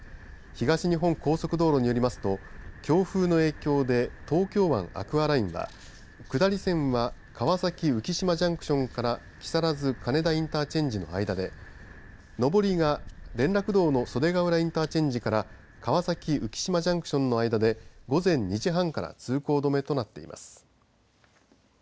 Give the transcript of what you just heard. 東日本高速道路によりますと強風の影響で東京湾アクアラインが下り線は川崎浮島ジャンクションから木更津金田インターチェンジの間で上りが連絡道の袖ケ浦インターチェンジから川崎浮島ジャンクションの間で午前２時半から通行止めとなっています。